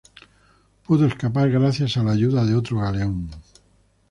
Pudo escapar gracias a la ayuda de otro galeón.